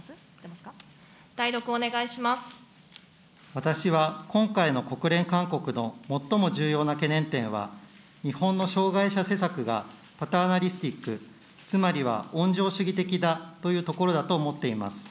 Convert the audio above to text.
私は、今回の国連勧告の最も重要な懸念点は、日本の障害者施策がパターナリスティック、つまりは、温情主義的だというところだと思っています。